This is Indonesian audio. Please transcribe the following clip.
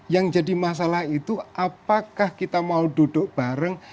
yang jadi masalah itu apakah kita mau duduk bareng